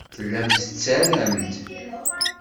Tellam tettarram-d.